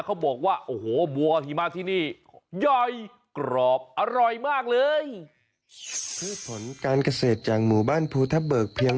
เขาบอกว่าโอ้โหบัวหิมะที่นี่ย่อยกรอบอร่อยมากเลย